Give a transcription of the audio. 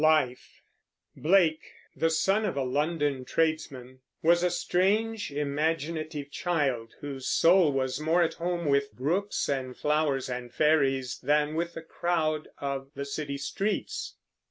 LIFE. Blake, the son of a London tradesman, was a strange, imaginative child, whose soul was more at home with brooks and flowers and fairies than with the crowd of the city streets.